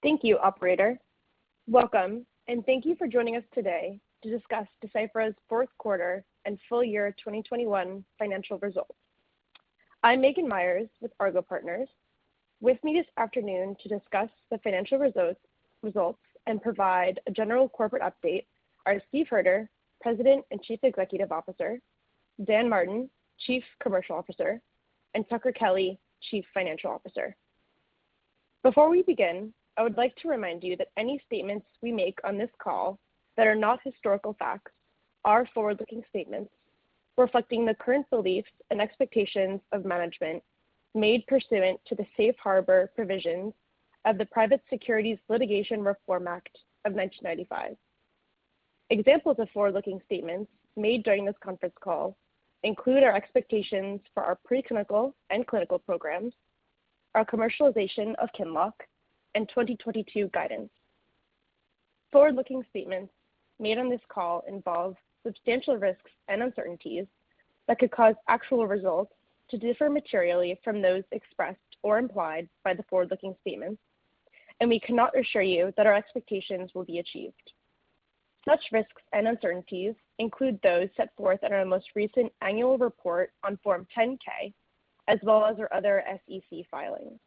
Thank you, Operator. Welcome and thank you for joining us today to discuss Deciphera's Fourth Quarter and Full Year 2021 Financial Results. I'm Megan Myers with Argot Partners. With me this afternoon to discuss the financial results and provide a general corporate update are Steve Hoerter, President and Chief Executive Officer, Dan Martin, Chief Commercial Officer, and Tucker Kelly, Chief Financial Officer. Before we begin, I would like to remind you that any statements we make on this call that are not historical facts are forward-looking statements reflecting the current beliefs and expectations of management made pursuant to the safe harbor provisions of the Private Securities Litigation Reform Act of 1995. Examples of forward-looking statements made during this conference call include our expectations for our preclinical and clinical programs, our commercialization of QINLOCK and 2022 guidance. Forward-looking statements made on this call involve substantial risks and uncertainties that could cause actual results to differ materially from those expressed or implied by the forward-looking statements, and we cannot assure you that our expectations will be achieved. Such risks and uncertainties include those set forth in our most recent annual report on Form 10-K as well as our other SEC filings.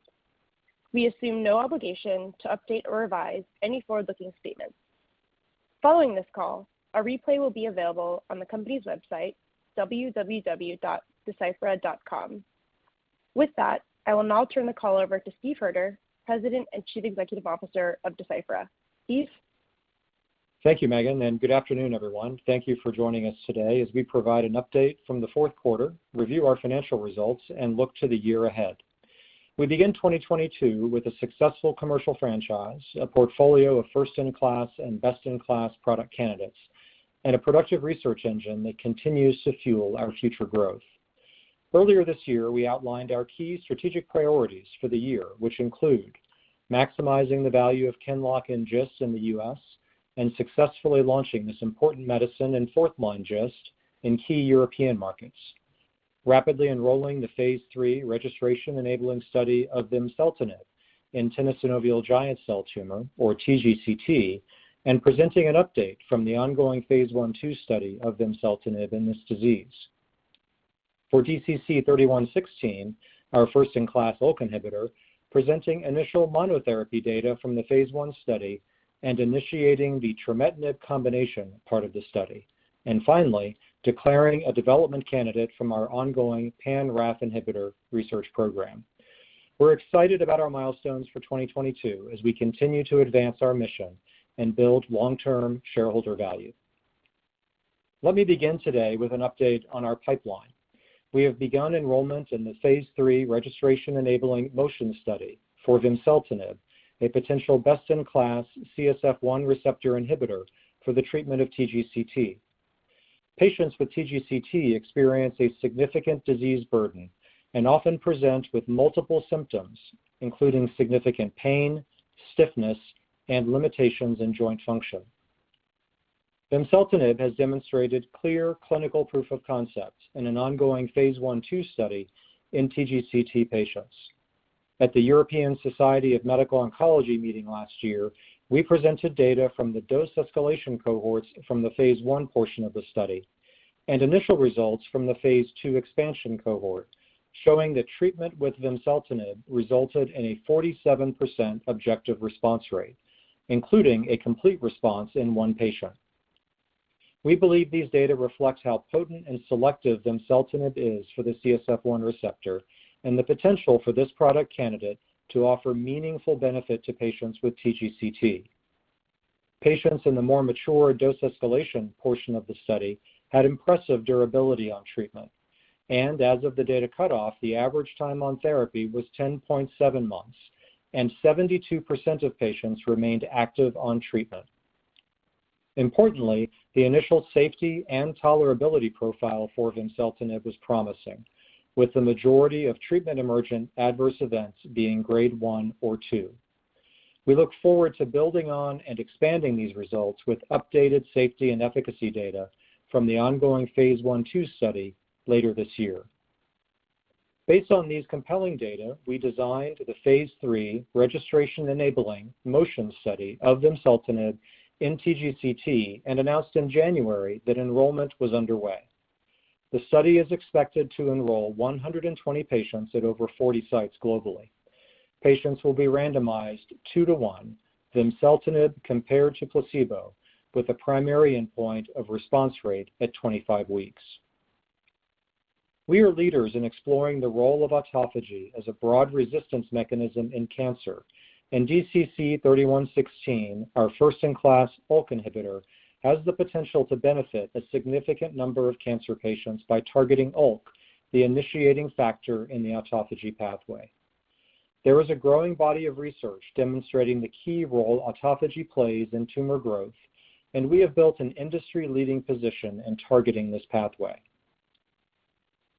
We assume no obligation to update or revise any forward-looking statements. Following this call, a replay will be available on the company's website, www.deciphera.com. With that, I will now turn the call over to Steve Hoerter, President and Chief Executive Officer of Deciphera. Steve? Thank you, Megan, and good afternoon, everyone. Thank you for joining us today as we provide an update from the fourth quarter, review our financial results, and look to the year ahead. We begin 2022 with a successful commercial franchise, a portfolio of first-in-class and best-in-class product candidates, and a productive research engine that continues to fuel our future growth. Earlier this year, we outlined our key strategic priorities for the year, which include maximizing the value of QINLOCK and GIST in the U.S. and successfully launching this important medicine in fourth-line GIST in key European markets, rapidly enrolling the phase III registration-enabling study of vimseltinib in tenosynovial giant cell tumor, or TGCT, and presenting an update from the ongoing phase I/II study of vimseltinib in this disease. For DCC-3116, our first-in-class ULK inhibitor, presenting initial monotherapy data from the phase I study and initiating the trametinib combination part of the study. Finally, declaring a development candidate from our ongoing pan-RAF inhibitor research program. We're excited about our milestones for 2022 as we continue to advance our mission and build long-term shareholder value. Let me begin today with an update on our pipeline. We have begun enrollment in the phase III registration-enabling MOTION study for vimseltinib, a potential best-in-class CSF1 receptor inhibitor for the treatment of TGCT. Patients with TGCT experience a significant disease burden and often present with multiple symptoms, including significant pain, stiffness, and limitations in joint function. Vimseltinib has demonstrated clear clinical proof of concept in an ongoing phase I/II study in TGCT patients. At the European Society of Medical Oncology meeting last year, we presented data from the dose escalation cohorts from the phase I portion of the study and initial results from the phase II expansion cohort, showing that treatment with vimseltinib resulted in a 47% objective response rate, including a complete response in one patient. We believe these data reflects how potent and selective vimseltinib is for the CSF1 receptor and the potential for this product candidate to offer meaningful benefit to patients with TGCT. Patients in the more mature dose escalation portion of the study had impressive durability on treatment. As of the data cut-off, the average time on therapy was 10.7 months, and 72% of patients remained active on treatment. Importantly, the initial safety and tolerability profile for vimseltinib was promising, with the majority of treatment-emergent adverse events being grade one or two. We look forward to building on and expanding these results with updated safety and efficacy data from the ongoing phase I/II study later this year. Based on these compelling data, we designed the phase III registration-enabling MOTION study of vimseltinib in TGCT and announced in January that enrollment was underway. The study is expected to enroll 120 patients at over 40 sites globally. Patients will be randomized 2 to 1, vimseltinib compared to placebo, with a primary endpoint of response rate at 25 weeks. We are leaders in exploring the role of autophagy as a broad resistance mechanism in cancer, and DCC-3116, our first-in-class ULK inhibitor, has the potential to benefit a significant number of cancer patients by targeting ULK, the initiating factor in the autophagy pathway. There is a growing body of research demonstrating the key role autophagy plays in tumor growth, and we have built an industry-leading position in targeting this pathway.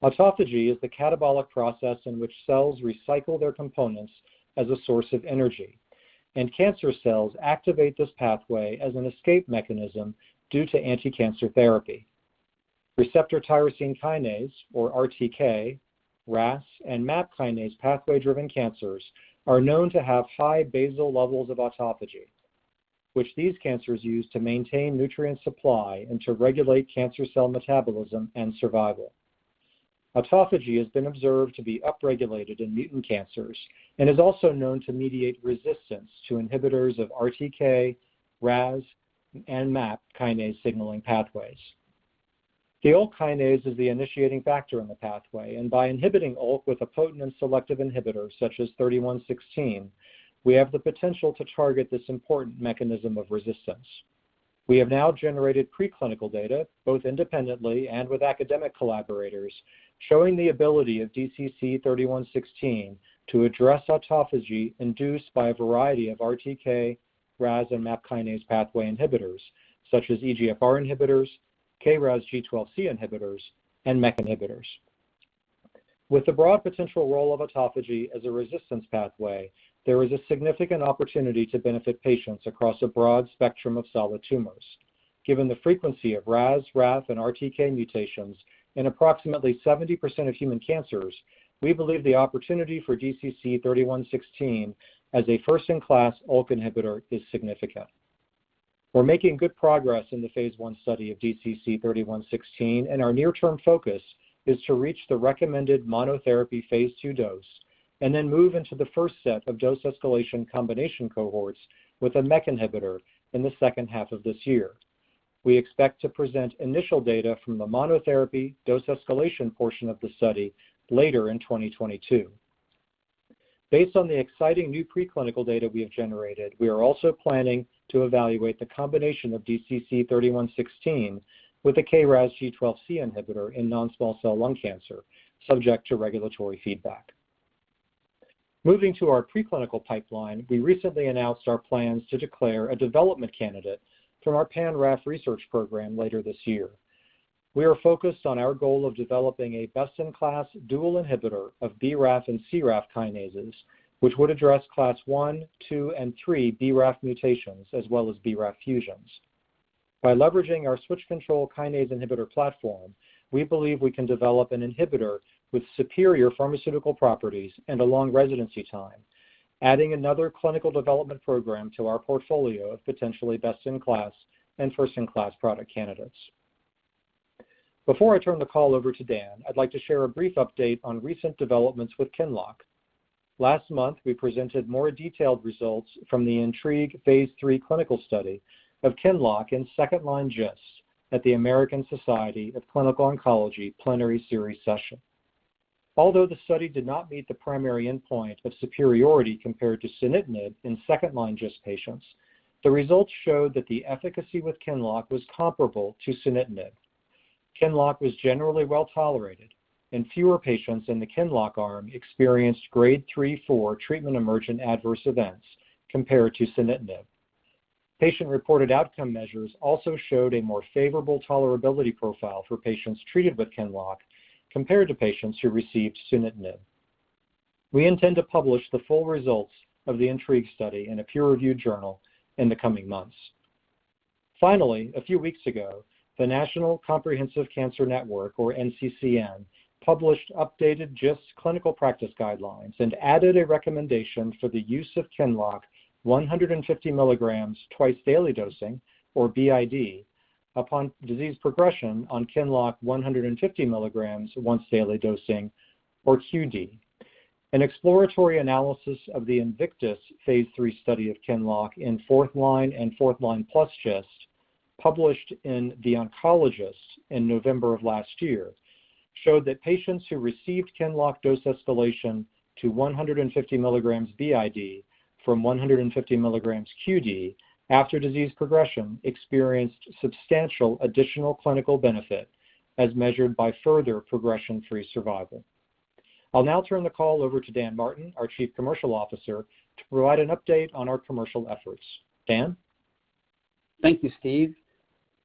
Autophagy is the catabolic process in which cells recycle their components as a source of energy, and cancer cells activate this pathway as an escape mechanism due to anticancer therapy. Receptor tyrosine kinase, or RTK, RAS and MAP kinase pathway-driven cancers are known to have high basal levels of autophagy, which these cancers use to maintain nutrient supply and to regulate cancer cell metabolism and survival. Autophagy has been observed to be upregulated in mutant cancers and is also known to mediate resistance to inhibitors of RTK, RAS, and MAP kinase signaling pathways. The ULK kinase is the initiating factor in the pathway, and by inhibiting ULK with a potent and selective inhibitor, such as 3116, we have the potential to target this important mechanism of resistance. We have now generated preclinical data, both independently and with academic collaborators, showing the ability of DCC-3116 to address autophagy induced by a variety of RTK, RAS, and MAP kinase pathway inhibitors, such as EGFR inhibitors, KRAS G12C inhibitors, and MEK inhibitors. With the broad potential role of autophagy as a resistance pathway, there is a significant opportunity to benefit patients across a broad spectrum of solid tumors. Given the frequency of RAS, RAF, and RTK mutations in approximately 70% of human cancers, we believe the opportunity for DCC-3116 as a first-in-class ULK inhibitor is significant. We're making good progress in the phase I study of DCC-3116, and our near-term focus is to reach the recommended monotherapy phase II dose and then move into the first set of dose escalation combination cohorts with a MEK inhibitor in the second half of this year. We expect to present initial data from the monotherapy dose escalation portion of the study later in 2022. Based on the exciting new preclinical data we have generated, we are also planning to evaluate the combination of DCC-3116 with a KRAS G12C inhibitor in non-small cell lung cancer, subject to regulatory feedback. Moving to our preclinical pipeline, we recently announced our plans to declare a development candidate from our pan-RAF research program later this year. We are focused on our goal of developing a best-in-class dual inhibitor of BRAF and CRAF kinases, which would address class one, two, and three BRAF mutations, as well as BRAF fusions. By leveraging our switch-control kinase inhibitor platform, we believe we can develop an inhibitor with superior pharmaceutical properties and a long residency time, adding another clinical development program to our portfolio of potentially best-in-class and first-in-class product candidates. Before I turn the call over to Dan, I'd like to share a brief update on recent developments with QINLOCK. Last month, we presented more detailed results from the INTRIGUE phase III clinical study of QINLOCK in second-line GIST at the American Society of Clinical Oncology Plenary Series session. Although the study did not meet the primary endpoint of superiority compared to sunitinib in second-line GIST patients, the results showed that the efficacy with QINLOCK was comparable to sunitinib. QINLOCK was generally well-tolerated, and fewer patients in the QINLOCK arm experienced grade 3/4 treatment-emergent adverse events compared to sunitinib. Patient-reported outcome measures also showed a more favorable tolerability profile for patients treated with QINLOCK compared to patients who received sunitinib. We intend to publish the full results of the INTRIGUE study in a peer-reviewed journal in the coming months. Finally, a few weeks ago, the National Comprehensive Cancer Network, or NCCN, published updated GIST clinical practice guidelines and added a recommendation for the use of QINLOCK 150 milligrams twice daily dosing, or BID, upon disease progression on QINLOCK 150 milligrams once daily dosing, or QD. An exploratory analysis of the INVICTUS phase III study of QINLOCK in fourth-line and fourth-line plus GIST, published in The Oncologist in November of last year, showed that patients who received QINLOCK dose escalation to 150 milligrams BID from 150 milligrams QD after disease progression experienced substantial additional clinical benefit as measured by further progression-free survival. I'll now turn the call over to Dan Martin, our Chief Commercial Officer, to provide an update on our commercial efforts. Dan? Thank you, Steve.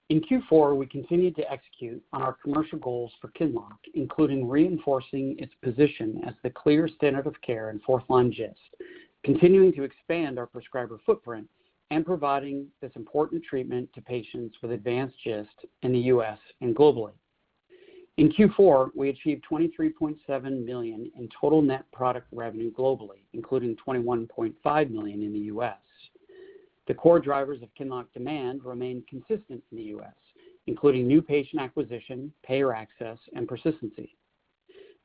In Q4, we continued to execute on our commercial goals for QINLOCK, including reinforcing its position as the clear standard of care in fourth-line GIST, continuing to expand our prescriber footprint, and providing this important treatment to patients with advanced GIST in the U.S. and globally. In Q4, we achieved $23.7 million in total net product revenue globally, including $21.5 million in the U.S. The core drivers of QINLOCK demand remain consistent in the U.S., including new patient acquisition, payer access, and persistency.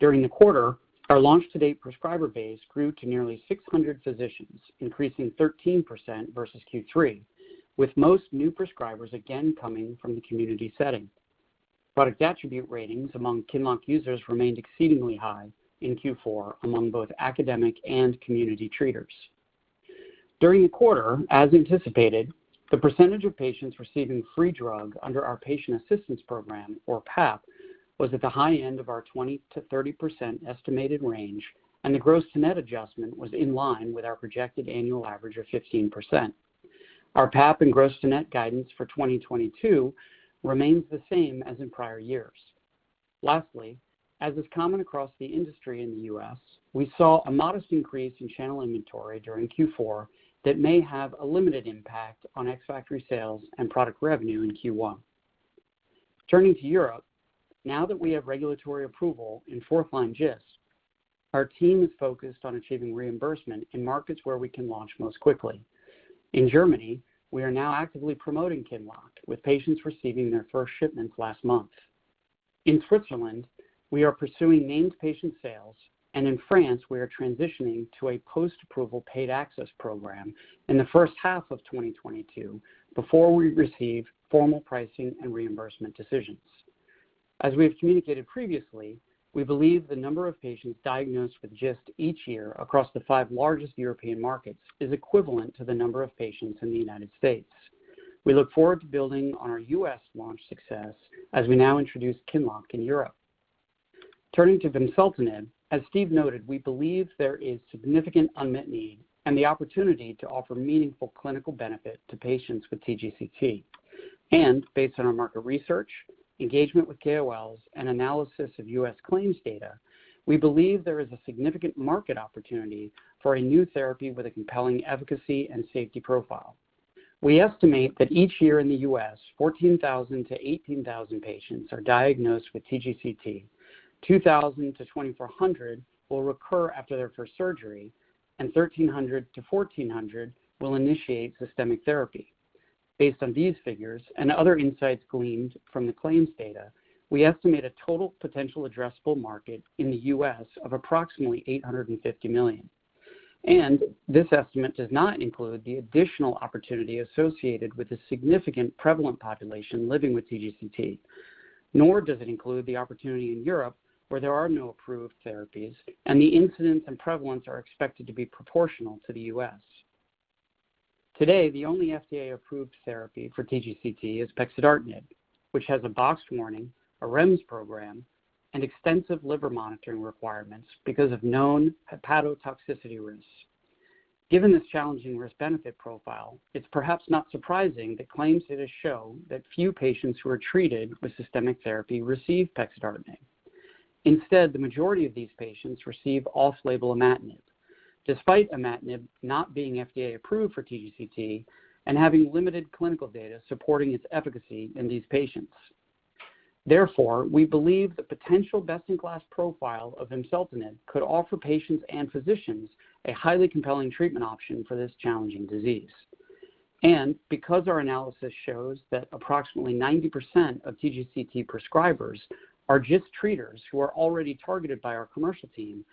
During the quarter, our launch-to-date prescriber base grew to nearly 600 physicians, increasing 13% versus Q3, with most new prescribers again coming from the community setting. Product attribute ratings among QINLOCK users remained exceedingly high in Q4 among both academic and community treaters. During the quarter, as anticipated, the percentage of patients receiving free drug under our patient assistance program, or PAP, was at the high end of our 20%-30% estimated range, and the gross-to-net adjustment was in line with our projected annual average of 15%. Our PAP and gross-to-net guidance for 2022 remains the same as in prior years. Lastly, as is common across the industry in the U.S., we saw a modest increase in channel inventory during Q4 that may have a limited impact on ex-factory sales and product revenue in Q1. Turning to Europe, now that we have regulatory approval in fourth-line GIST, our team is focused on achieving reimbursement in markets where we can launch most quickly. In Germany, we are now actively promoting QINLOCK with patients receiving their first shipments last month. In Switzerland, we are pursuing named patient sales, and in France, we are transitioning to a post-approval paid access program in the first half of 2022 before we receive formal pricing and reimbursement decisions. As we have communicated previously, we believe the number of patients diagnosed with GIST each year across the five largest European markets is equivalent to the number of patients in the United States. We look forward to building on our U.S. launch success as we now introduce QINLOCK in Europe. Turning to vimseltinib. As Steve noted, we believe there is significant unmet need and the opportunity to offer meaningful clinical benefit to patients with TGCT. Based on our market research, engagement with KOLs, and analysis of U.S. claims data, we believe there is a significant market opportunity for a new therapy with a compelling efficacy and safety profile. We estimate that each year in the U.S., 14,000-18,000 patients are diagnosed with TGCT. 2,000-2,400 will recur after their first surgery, and 1,300-1,400 will initiate systemic therapy. Based on these figures and other insights gleaned from the claims data, we estimate a total potential addressable market in the U.S. of approximately $850 million. This estimate does not include the additional opportunity associated with the significant prevalent population living with TGCT, nor does it include the opportunity in Europe, where there are no approved therapies and the incidence and prevalence are expected to be proportional to the U.S. Today, the only FDA-approved therapy for TGCT is pexidartinib, which has a boxed warning, a REMS program, and extensive liver monitoring requirements because of known hepatotoxicity risks. Given this challenging risk-benefit profile, it's perhaps not surprising that claims data show that few patients who are treated with systemic therapy receive pexidartinib. Instead, the majority of these patients receive off-label imatinib, despite imatinib not being FDA approved for TGCT and having limited clinical data supporting its efficacy in these patients. Therefore, we believe the potential best-in-class profile of vimseltinib could offer patients and physicians a highly compelling treatment option for this challenging disease. Because our analysis shows that approximately 90% of TGCT prescribers are GIST treaters who are already targeted by our commercial team,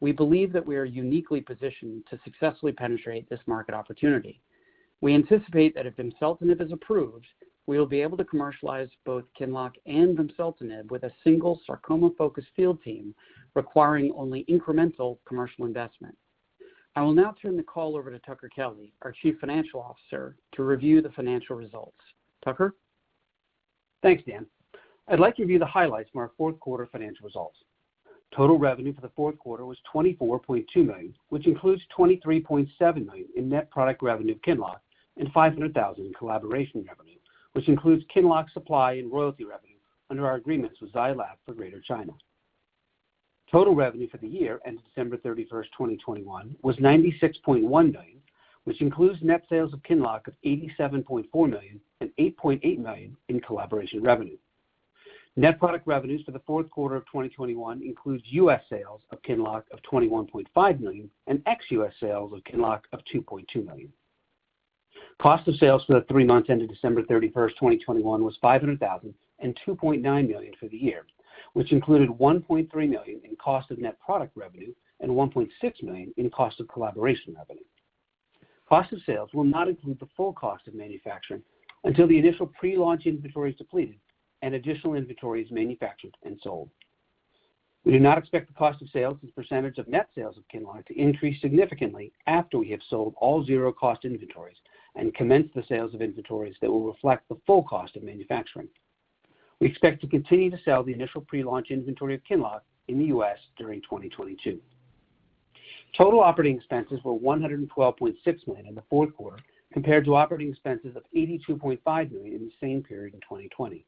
we believe that we are uniquely positioned to successfully penetrate this market opportunity. We anticipate that if vimseltinib is approved, we will be able to commercialize both QINLOCK and vimseltinib with a single sarcoma-focused field team requiring only incremental commercial investment. I will now turn the call over to Tucker Kelly, our Chief Financial Officer, to review the financial results. Tucker? Thanks, Dan. I'd like to give you the highlights from our fourth quarter financial results. Total revenue for the fourth quarter was $24.2 million, which includes $23.7 million in net product revenue of QINLOCK and $500,000 in collaboration revenue, which includes QINLOCK supply and royalty revenue under our agreements with Zai Lab for Greater China. Total revenue for the year ended December 31, 2021 was $96.1 million, which includes net sales of QINLOCK of $87.4 million and $8.8 million in collaboration revenue. Net product revenues for the fourth quarter of 2021 includes US sales of QINLOCK of $21.5 million and ex-US sales of QINLOCK of $2.2 million. Cost of sales for the three months ended December 31, 2021 was $500,000 and $2.9 million for the year, which included $1.3 million in cost of net product revenue and $1.6 million in cost of collaboration revenue. Cost of sales will not include the full cost of manufacturing until the initial pre-launch inventory is depleted and additional inventory is manufactured and sold. We do not expect the cost of sales as a percentage of net sales of QINLOCK to increase significantly after we have sold all zero cost inventories and commenced the sales of inventories that will reflect the full cost of manufacturing. We expect to continue to sell the initial pre-launch inventory of QINLOCK in the U.S. during 2022. Total operating expenses were $112.6 million in the fourth quarter compared to operating expenses of $82.5 million in the same period in 2020.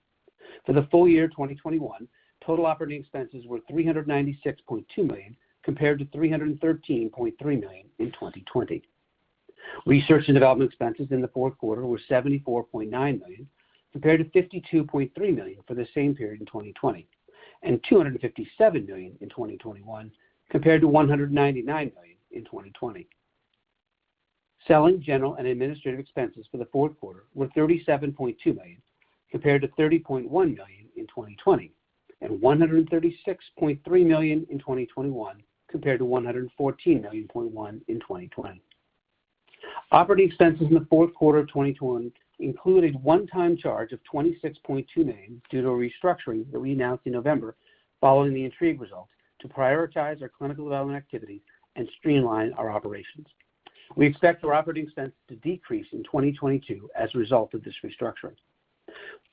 For the full year 2021, total operating expenses were $396.2 million, compared to $313.3 million in 2020. Research and development expenses in the fourth quarter were $74.9 million, compared to $52.3 million for the same period in 2020, and $257 million in 2021, compared to $199 million in 2020. Selling, general, and administrative expenses for the fourth quarter were $37.2 million, compared to $30.1 million in 2020, and $136.3 million in 2021, compared to $114.1 million in 2020. Operating expenses in the fourth quarter of 2021 included a one-time charge of $26.2 million due to a restructuring that we announced in November following the INTRIGUE results to prioritize our clinical development activity and streamline our operations. We expect our operating expenses to decrease in 2022 as a result of this restructuring.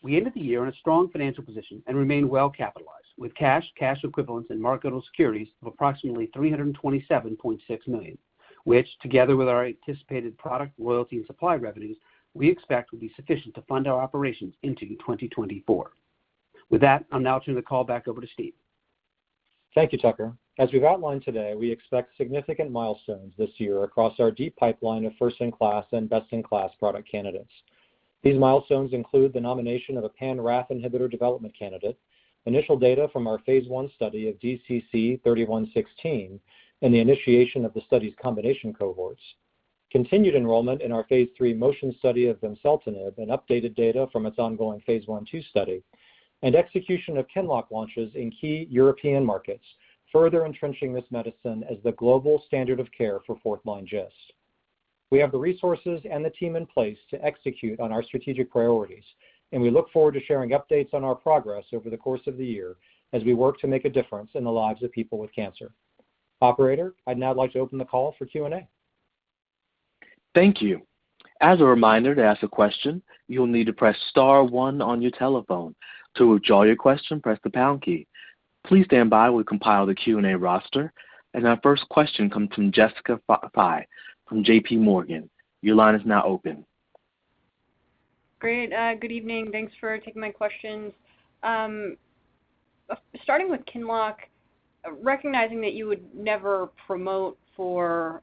We ended the year in a strong financial position and remain well-capitalized, with cash equivalents, and marketable securities of approximately $327.6 million. Which together with our anticipated product loyalty and supply revenues, we expect will be sufficient to fund our operations into 2024. With that, I'll now turn the call back over to Steve. Thank you, Tucker. As we've outlined today, we expect significant milestones this year across our deep pipeline of first-in-class and best-in-class product candidates. These milestones include the nomination of a pan-RAF inhibitor development candidate, initial data from our phase I study of DCC-3116, and the initiation of the study's combination cohorts, continued enrollment in our phase III MOTION study of vimseltinib and updated data from its ongoing phase I/II study, and execution of QINLOCK launches in key European markets, further entrenching this medicine as the global standard of care for fourth-line GIST. We have the resources and the team in place to execute on our strategic priorities, and we look forward to sharing updates on our progress over the course of the year as we work to make a difference in the lives of people with cancer. Operator, I'd now like to open the call for Q&A. Thank you. As a reminder, to ask a question, you will need to press star one on your telephone. To withdraw your question, press the pound key. Please stand by. We'll compile the Q&A roster. Our first question comes from Jessica Fye from JPMorgan. Your line is now open. Great. Good evening. Thanks for taking my questions. Starting with QINLOCK, recognizing that you would never promote for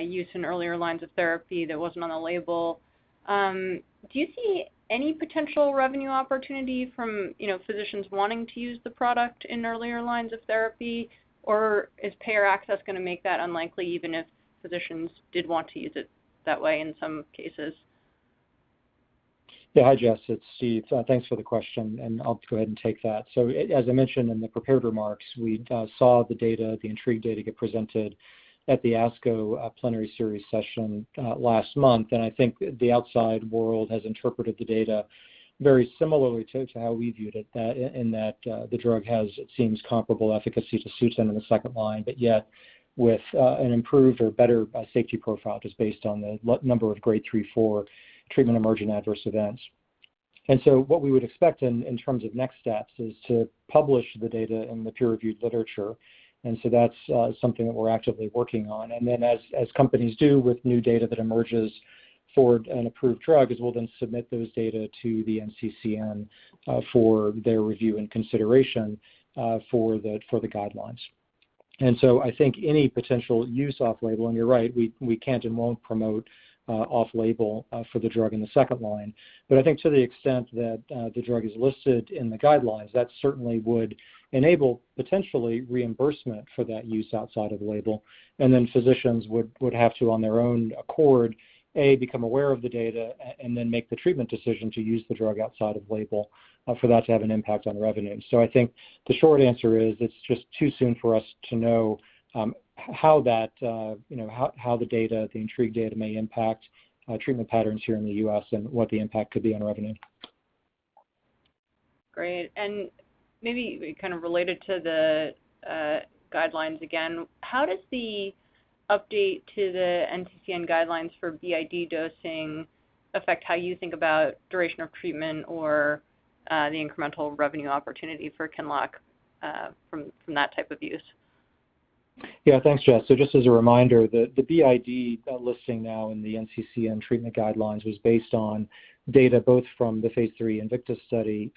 use in earlier lines of therapy that wasn't on a label, do you see any potential revenue opportunity from, you know, physicians wanting to use the product in earlier lines of therapy, or is payer access going to make that unlikely, even if physicians did want to use it that way in some cases? Yeah. Hi, Jess, it's Steve. Thanks for the question, and I'll go ahead and take that. As I mentioned in the prepared remarks, we saw the data, the INTRIGUE data get presented at the ASCO plenary series session last month. I think the outside world has interpreted the data very similarly to how we viewed it, that the drug has, it seems, comparable efficacy to SUTENT in the second line, but yet with an improved or better safety profile just based on the number of grade 3/4 treatment-emergent adverse events. What we would expect in terms of next steps is to publish the data in the peer-reviewed literature. That's something that we're actively working on. As companies do with new data that emerges for an approved drug, we'll then submit those data to the NCCN for their review and consideration for the guidelines. I think any potential use off-label, and you're right, we can't and won't promote off-label for the drug in the second line. I think to the extent that the drug is listed in the guidelines, that certainly would enable potentially reimbursement for that use outside of the label. Physicians would have to, on their own accord, become aware of the data and then make the treatment decision to use the drug outside of label for that to have an impact on revenue. I think the short answer is it's just too soon for us to know how that, you know, how the data, the INTRIGUE data may impact treatment patterns here in the U.S. and what the impact could be on revenue. Great. Maybe kind of related to the guidelines, again, how does the update to the NCCN guidelines for BID dosing affect how you think about duration of treatment or the incremental revenue opportunity for QINLOCK from that type of use? Yeah. Thanks, Jess. Just as a reminder, the BID listing now in the NCCN treatment guidelines was based on data both from the phase III INVICTUS study,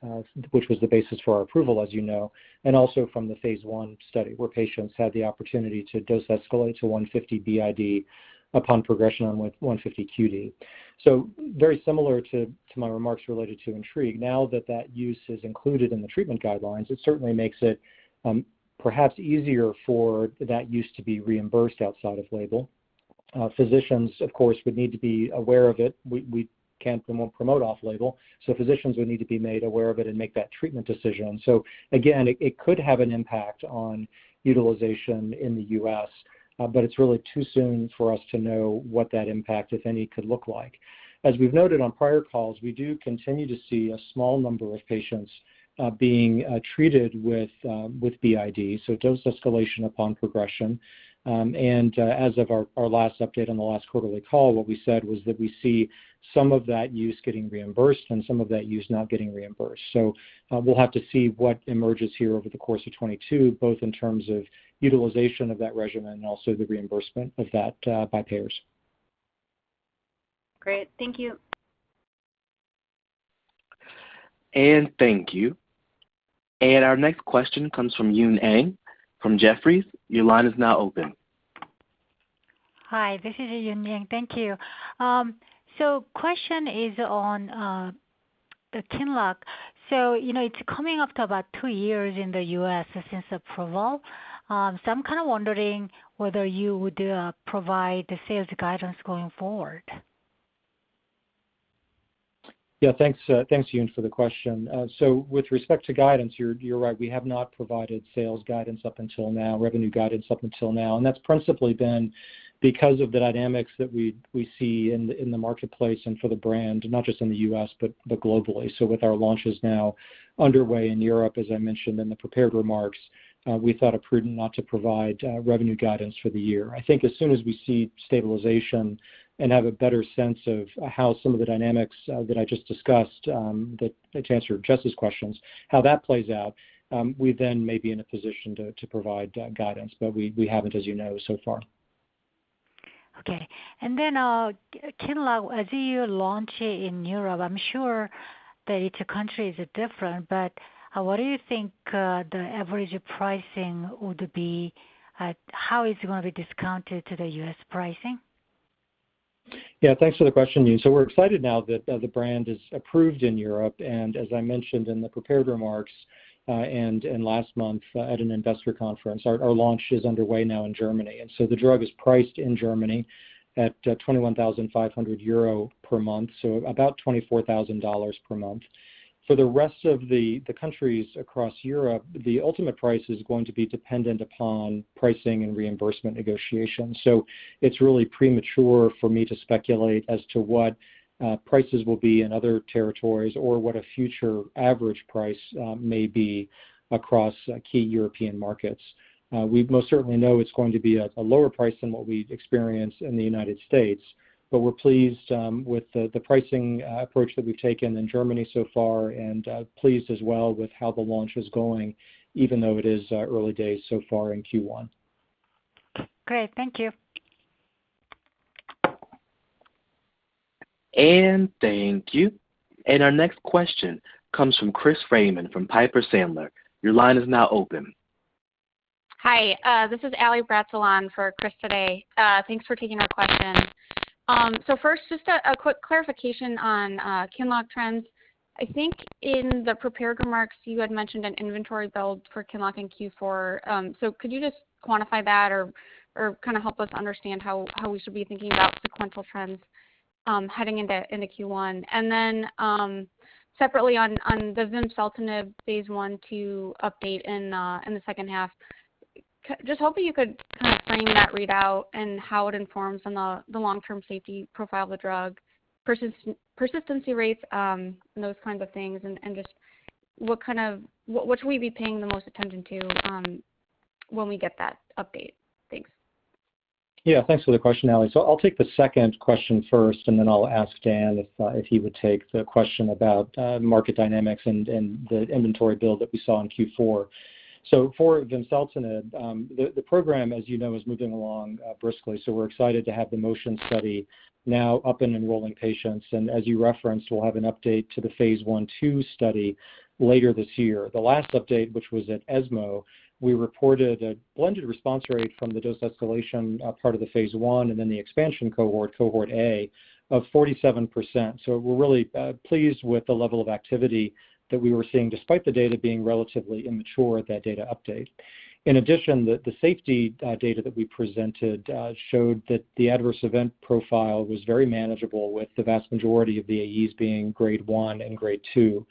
which was the basis for our approval, as you know, and also from the phase I study, where patients had the opportunity to dose escalate to 150 BID upon progression on 150 QD. Very similar to my remarks related to INTRIGUE. Now that use is included in the treatment guidelines, it certainly makes it perhaps easier for that use to be reimbursed off-label. Physicians, of course, would need to be aware of it. We can't and won't promote off-label, so physicians would need to be made aware of it and make that treatment decision. Again, it could have an impact on utilization in the U.S., but it's really too soon for us to know what that impact, if any, could look like. As we've noted on prior calls, we do continue to see a small number of patients being treated with BID, so dose escalation upon progression. As of our last update on the last quarterly call, what we said was that we see some of that use getting reimbursed and some of that use not getting reimbursed. We'll have to see what emerges here over the course of 2022, both in terms of utilization of that regimen and also the reimbursement of that by payers. Great. Thank you. Thank you. Our next question comes from Yun Zhong from Jefferies. Your line is now open. Hi, this is Yun Zhong. Thank you. Question is on the QINLOCK. You know, it's coming up to about two years in the U.S. since approval. I'm kind of wondering whether you would provide the sales guidance going forward. Yeah, thanks, Yun, for the question. So with respect to guidance, you're right. We have not provided sales guidance up until now, revenue guidance up until now, and that's principally been because of the dynamics that we see in the marketplace and for the brand, not just in the U.S., but globally. With our launches now underway in Europe, as I mentioned in the prepared remarks, we thought it prudent not to provide revenue guidance for the year. I think as soon as we see stabilization and have a better sense of how some of the dynamics that I just discussed that to answer Jess's questions, how that plays out, we then may be in a position to provide guidance, but we haven't, as you know, so far. Okay. QINLOCK, as you launch in Europe, I'm sure that each country is different, but what do you think the average pricing would be? How is it gonna be discounted to the U.S. pricing? Yeah. Thanks for the question, Yun. We're excited now that the brand is approved in Europe. As I mentioned in the prepared remarks, and last month at an investor conference, our launch is underway now in Germany. The drug is priced in Germany at 21,000 euro per month, so about $24,000 per month. For the rest of the countries across Europe, the ultimate price is going to be dependent upon pricing and reimbursement negotiations. It's really premature for me to speculate as to what prices will be in other territories or what a future average price may be across key European markets. We most certainly know it's going to be a lower price than what we've experienced in the United States, but we're pleased with the pricing approach that we've taken in Germany so far, and pleased as well with how the launch is going, even though it is early days so far in Q1. Great. Thank you. Thank you. Our next question comes from Chris Raymond from Piper Sandler. Your line is now open. Hi. This is Allison Bratzel for Chris today. Thanks for taking our questions. First, just a quick clarification on QINLOCK trends. I think in the prepared remarks, you had mentioned an inventory build for QINLOCK in Q4. Could you just quantify that or help us understand how we should be thinking about sequential trends heading into Q1? Then, separately on the vimseltinib phase I/II update in the second half, just hoping you could kind of frame that readout and how it informs on the long-term safety profile of the drug, persistency rates, and those kinds of things, and just what should we be paying the most attention to when we get that update? Thanks. Yeah. Thanks for the question, Allie. I'll take the second question first, and then I'll ask Dan if he would take the question about market dynamics and the inventory build that we saw in Q4. For vimseltinib, the program, as you know, is moving along briskly, so we're excited to have the MOTION study now up and enrolling patients. As you referenced, we'll have an update to the phase I/II study later this year. The last update, which was at ESMO, we reported a blended response rate from the dose escalation part of the phase I and then the expansion cohort A of 47%. We're really pleased with the level of activity that we were seeing despite the data being relatively immature at that data update. In addition, the safety data that we presented showed that the adverse event profile was very manageable with the vast majority of the AEs being grade one and grade two.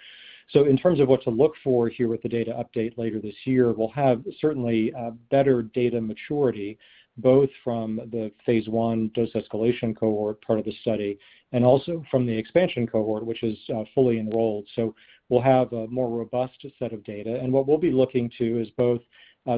In terms of what to look for here with the data update later this year, we'll have certainly better data maturity, both from the phase I dose escalation cohort part of the study, and also from the expansion cohort, which is fully enrolled. We'll have a more robust set of data. What we'll be looking to is both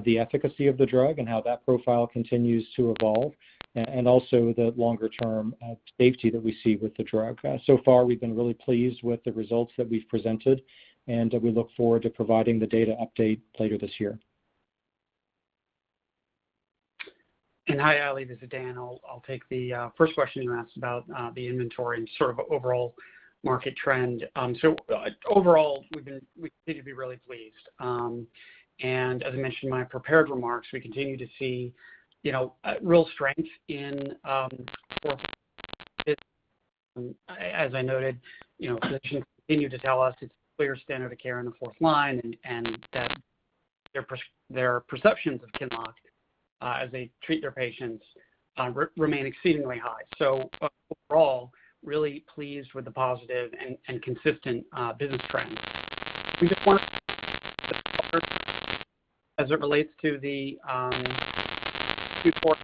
the efficacy of the drug and how that profile continues to evolve and also the longer-term safety that we see with the drug. So far we've been really pleased with the results that we've presented, and we look forward to providing the data update later this year. Hi, Allie. This is Dan. I'll take the first question you asked about the inventory and sort of overall market trend. So overall, we continue to be really pleased. As I mentioned in my prepared remarks, we continue to see, you know, real strength in fourth line. As I noted, you know, clinicians continue to tell us it's clear standard of care in the fourth line and that their perceptions of QINLOCK, as they treat their patients, remain exceedingly high. So overall, really pleased with the positive and consistent business trends. We just want as it relates to the Q4. Speaker, bear with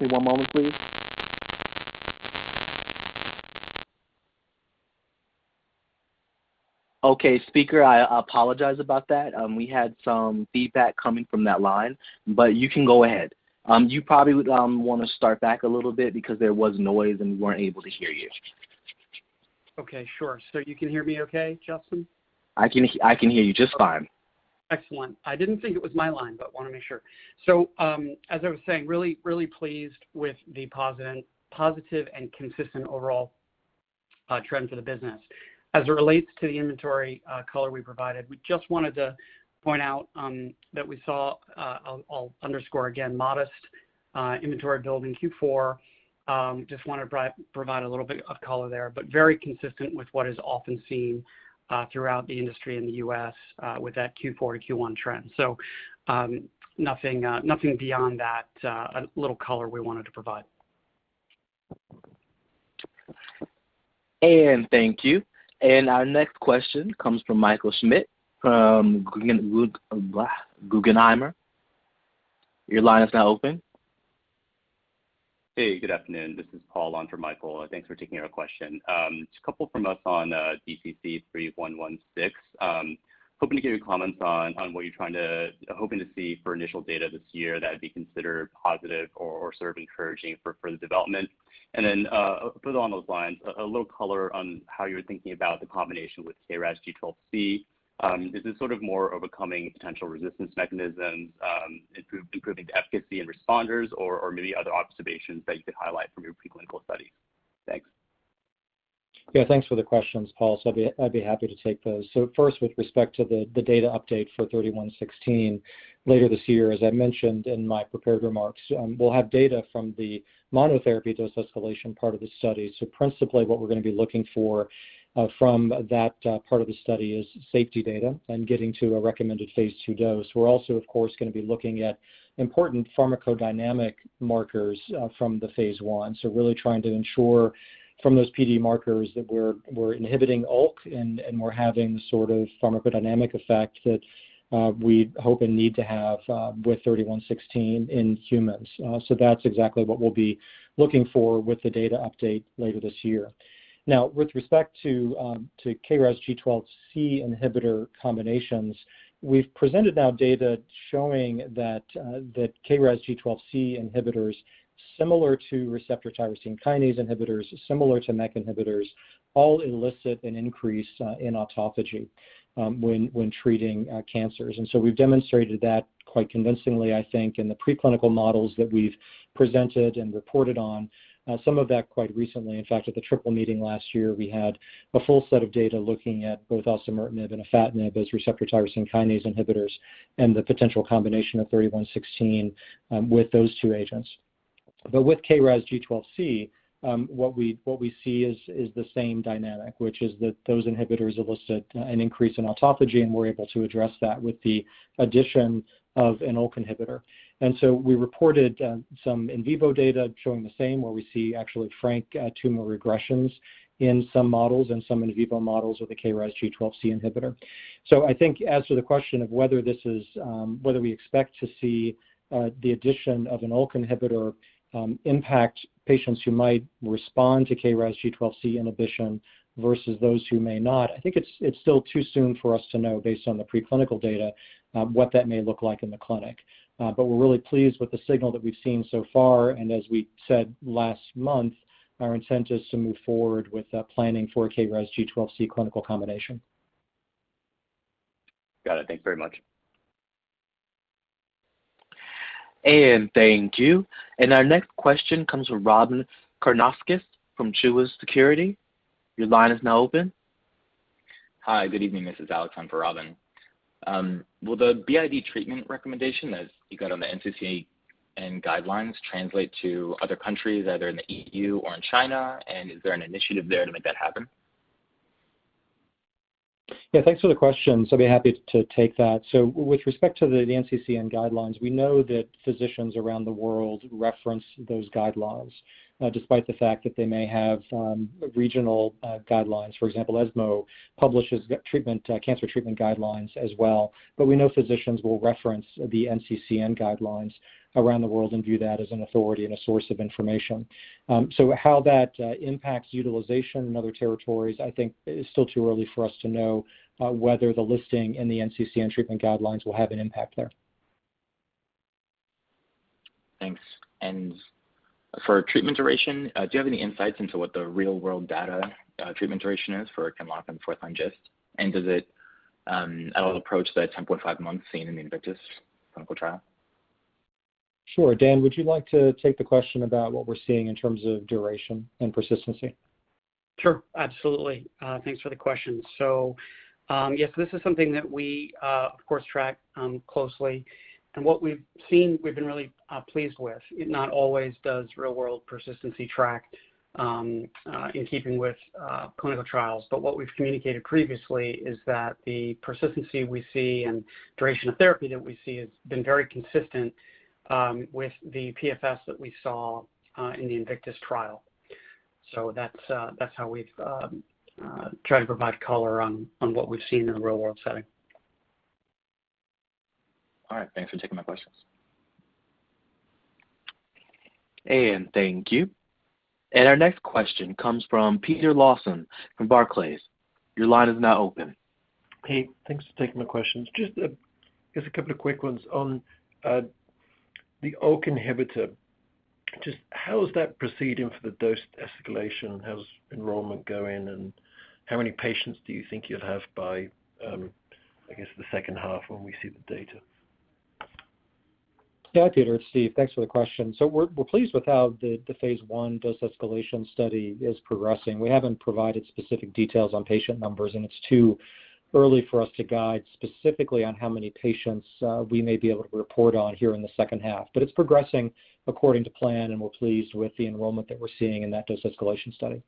me one moment, please. Okay, speaker, I apologize about that. We had some feedback coming from that line, but you can go ahead. You probably would wanna start back a little bit because there was noise, and we weren't able to hear you. Okay, sure. You can hear me okay, Justin? I can hear you just fine. Excellent. I didn't think it was my line, but wanna make sure. As I was saying, really pleased with the positive and consistent overall trend for the business. As it relates to the inventory color we provided, we just wanted to point out that we saw. I'll underscore again, modest inventory build in Q4. Just wanna provide a little bit of color there, but very consistent with what is often seen throughout the industry in the U.S. with that Q4 to Q1 trend. Nothing beyond that, a little color we wanted to provide. Thank you. Our next question comes from Michael Schmidt from Guggenheim. Your line is now open. Hey, good afternoon. This is Paul on for Michael. Thanks for taking our question. Just a couple from us on DCC-3116. Hoping to get your comments on what you're hoping to see for initial data this year that would be considered positive or sort of encouraging for further development. Then, along those lines, a little color on how you're thinking about the combination with KRAS G12C. Is this sort of more overcoming potential resistance mechanisms, improving the efficacy in responders or maybe other observations that you could highlight from your preclinical studies? Thanks. Yeah, thanks for the questions, Paul. I'd be happy to take those. First, with respect to the data update for 3116 later this year, as I mentioned in my prepared remarks, we'll have data from the monotherapy dose escalation part of the study. Principally, what we're gonna be looking for from that part of the study is safety data and getting to a recommended phase II dose. We're also, of course, gonna be looking at important pharmacodynamic markers from the phase I. Really trying to ensure from those PD markers that we're inhibiting ULK and we're having the sort of pharmacodynamic effect that we hope and need to have with thirty-one sixteen in humans. That's exactly what we'll be looking for with the data update later this year. Now with respect to KRAS G12C inhibitor combinations, we've now presented data showing that KRAS G12C inhibitors similar to receptor tyrosine kinase inhibitors, similar to MEK inhibitors, all elicit an increase in autophagy when treating cancers. We've demonstrated that quite convincingly, I think, in the preclinical models that we've presented and reported on some of that quite recently. In fact, at the triple meeting last year, we had a full set of data looking at both osimertinib and afatinib as receptor tyrosine kinase inhibitors and the potential combination of 3116 with those two agents. With KRAS G12C, what we see is the same dynamic, which is that those inhibitors elicit an increase in autophagy, and we're able to address that with the addition of a ULK inhibitor. We reported some in vivo data showing the same, where we see actually frank tumor regressions in some models and some in vivo models with a KRAS G12C inhibitor. I think as to the question of whether this is whether we expect to see the addition of a ULK inhibitor impact patients who might respond to KRAS G12C inhibition versus those who may not, I think it's still too soon for us to know based on the preclinical data what that may look like in the clinic. We're really pleased with the signal that we've seen so far, and as we said last month, our incentive is to move forward with planning for KRAS G12C clinical combination. Got it. Thanks very much. Thank you. Our next question comes from Robyn Karnauskas from Truist Securities. Your line is now open. Hi, good evening. This is Alex on for Robyn. Will the BID treatment recommendation, as you got on the NCCN guidelines, translate to other countries, either in the EU or in China? Is there an initiative there to make that happen? Yeah, thanks for the question. I'll be happy to take that. With respect to the NCCN guidelines, we know that physicians around the world reference those guidelines, despite the fact that they may have regional guidelines. For example, ESMO publishes cancer treatment guidelines as well. We know physicians will reference the NCCN guidelines around the world and view that as an authority and a source of information. How that impacts utilization in other territories, I think is still too early for us to know whether the listing in the NCCN treatment guidelines will have an impact there. Thanks. For treatment duration, do you have any insights into what the real world data treatment duration is for imatinib and sunitinib? Does it at all approach the 10.5 months seen in the INVICTUS clinical trial? Sure. Dan, would you like to take the question about what we're seeing in terms of duration and persistency? Sure, absolutely. Thanks for the question. Yes, this is something that we, of course, track closely. What we've seen, we've been really pleased with. Real-world persistency does not always track in keeping with clinical trials. What we've communicated previously is that the persistency we see and duration of therapy that we see has been very consistent with the PFS that we saw in the INVICTUS trial. That's how we've tried to provide color on what we've seen in a real-world setting. All right. Thanks for taking my questions. Thank you. Our next question comes from Peter Lawson from Barclays. Your line is now open. Hey, thanks for taking my questions. Just a couple of quick ones. On the ULK inhibitor, just how is that proceeding for the dose escalation? How's enrollment going, and how many patients do you think you'll have by, I guess, the second half when we see the data? Yeah, Peter, it's Steve. Thanks for the question. We're pleased with how the phase I dose escalation study is progressing. We haven't provided specific details on patient numbers, and it's too early for us to guide specifically on how many patients we may be able to report on here in the second half. It's progressing according to plan, and we're pleased with the enrollment that we're seeing in that dose escalation study.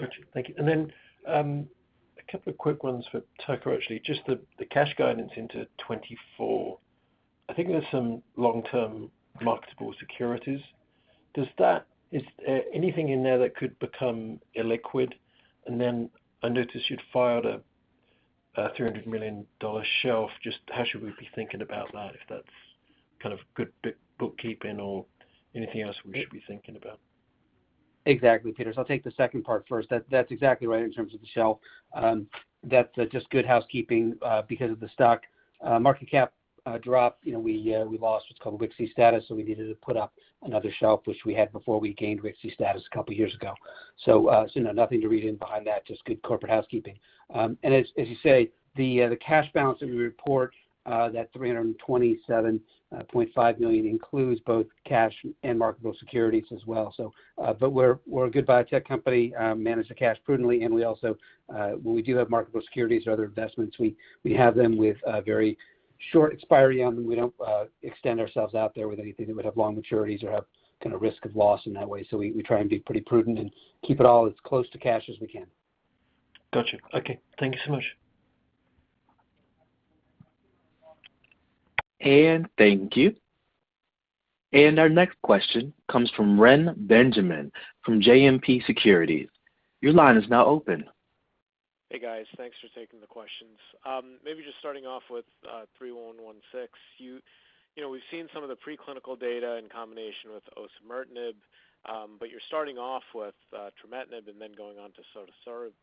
Gotcha. Thank you. Then a couple of quick ones for Tucker actually, just the cash guidance into 2024. I think there's some long-term marketable securities. Is there anything in there that could become illiquid? I noticed you'd filed a $300 million shelf. How should we be thinking about that, if that's kind of good bookkeeping or anything else we should be thinking about? Exactly, Peter. I'll take the second part first. That's exactly right in terms of the shelf. That's just good housekeeping because of the stock market cap drop, you know, we lost what's called WKSI status, so we needed to put up another shelf, which we had before we gained WKSI status a couple years ago. No, nothing to read into that, just good corporate housekeeping. And as you say, the cash balance in the report, that $327.5 million includes both cash and marketable securities as well. But we're a good biotech company, we manage the cash prudently, and we also, when we do have marketable securities or other investments, we have them with very short expiry on them. We don't extend ourselves out there with anything that would have long maturities or have kinda risk of loss in that way. We try and be pretty prudent and keep it all as close to cash as we can. Gotcha. Okay. Thank you so much. Thank you. Our next question comes from Reni Benjamin from JMP Securities. Your line is now open. Hey, guys. Thanks for taking the questions. Maybe just starting off with 3116. You know, we've seen some of the preclinical data in combination with osimertinib, but you're starting off with trametinib and then going on to sorafenib.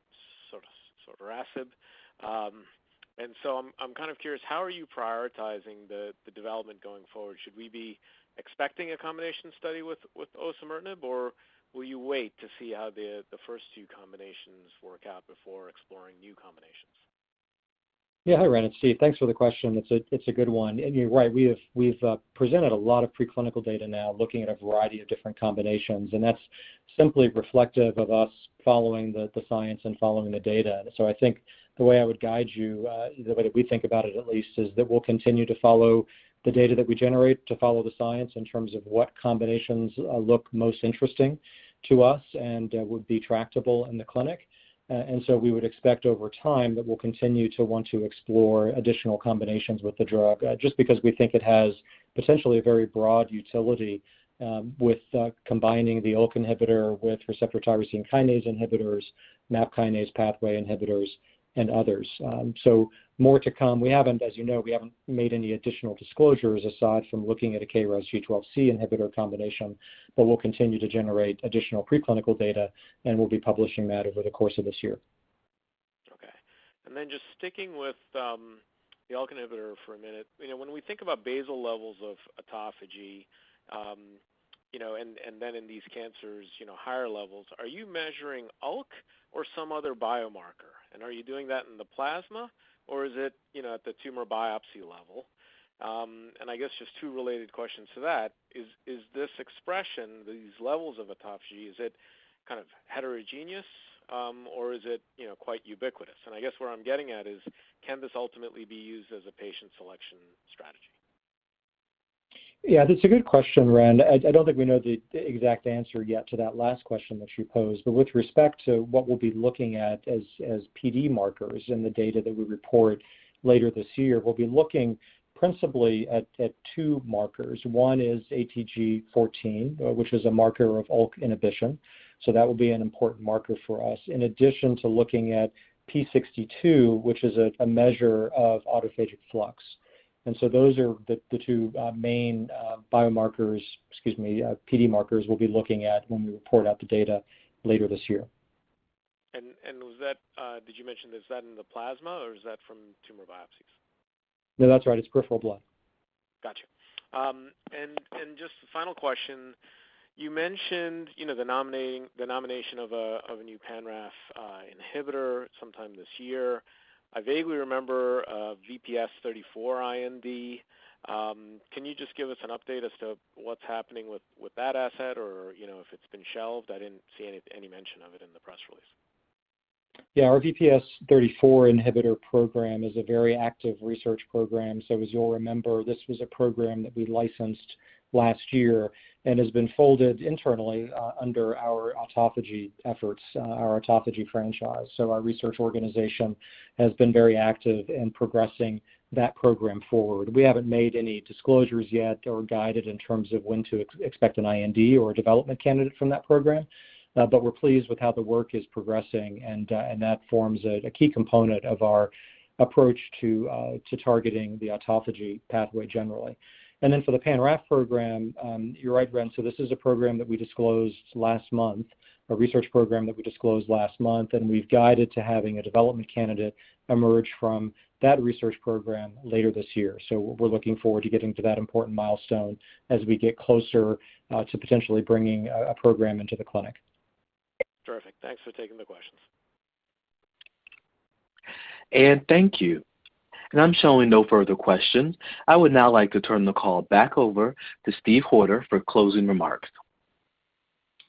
I'm kind of curious, how are you prioritizing the development going forward? Should we be expecting a combination study with osimertinib, or will you wait to see how the first two combinations work out before exploring new combinations? Yeah. Hi, Ren. It's Steve. Thanks for the question. It's a good one. You're right, we have presented a lot of preclinical data now looking at a variety of different combinations, and that's simply reflective of us following the science and following the data. I think the way I would guide you, the way that we think about it at least, is that we'll continue to follow the data that we generate, to follow the science in terms of what combinations look most interesting to us and would be tractable in the clinic. We would expect over time that we'll continue to want to explore additional combinations with the drug, just because we think it has potentially a very broad utility, with combining the ULK inhibitor with receptor tyrosine kinase inhibitors, MAP kinase pathway inhibitors, and others. More to come. We haven't, as you know, made any additional disclosures aside from looking at a KRAS G12C inhibitor combination, but we'll continue to generate additional preclinical data, and we'll be publishing that over the course of this year. Okay. Just sticking with the ULK inhibitor for a minute. You know, when we think about basal levels of autophagy, you know, and then in these cancers, you know, higher levels, are you measuring ULK or some other biomarker? Are you doing that in the plasma, or is it, you know, at the tumor biopsy level? I guess just two related questions to that, is this expression, these levels of autophagy, is it kind of heterogeneous, or is it, you know, quite ubiquitous? I guess where I'm getting at is, can this ultimately be used as a patient selection strategy? Yeah, that's a good question, Ren. I don't think we know the exact answer yet to that last question that you posed. With respect to what we'll be looking at as PD markers in the data that we report later this year, we'll be looking principally at two markers. One is ATG13, which is a marker of ULK inhibition, so that would be an important marker for us, in addition to looking at p62, which is a measure of autophagic flux. Those are the two main PD markers we'll be looking at when we report out the data later this year. Was that, did you mention is that in the plasma, or is that from tumor biopsies? No, that's right. It's peripheral blood. Gotcha. Just a final question. You mentioned the nomination of a new pan-RAF inhibitor sometime this year. I vaguely remember a VPS34 IND. Can you just give us an update as to what's happening with that asset or if it's been shelved? I didn't see any mention of it in the press release. Yeah. Our VPS34 inhibitor program is a very active research program. As you'll remember, this was a program that we licensed last year and has been folded internally under our autophagy efforts, our autophagy franchise. Our research organization has been very active in progressing that program forward. We haven't made any disclosures yet or guided in terms of when to expect an IND or a development candidate from that program, but we're pleased with how the work is progressing and that forms a key component of our approach to targeting the autophagy pathway generally. For the pan-RAF program, you're right, Ren, this is a program that we disclosed last month, a research program that we disclosed last month, and we've guided to having a development candidate emerge from that research program later this year. We're looking forward to getting to that important milestone as we get closer to potentially bringing a program into the clinic. Terrific. Thanks for taking the questions. Thank you. I'm showing no further questions. I would now like to turn the call back over to Steve Hoerter for closing remarks.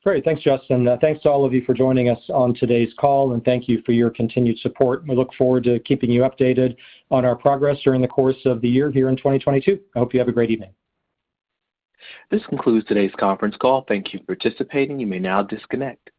Great. Thanks, Justin. Thanks to all of you for joining us on today's call, and thank you for your continued support. We look forward to keeping you updated on our progress during the course of the year here in 2022. I hope you have a great evening. This concludes today's conference call. Thank you for participating. You may now disconnect.